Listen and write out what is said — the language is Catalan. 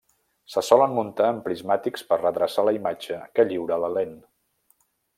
Se solen muntar en prismàtics per redreçar la imatge que lliura la lent.